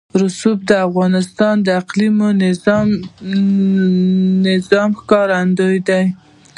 رسوب د افغانستان د اقلیمي نظام ښکارندوی ده.